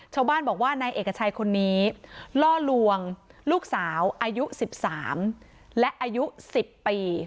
ชาวบ้านบอกว่านายเอกชัยคนนี้ล่อลวงลูกสาวอายุ๑๓และอายุ๑๐ปี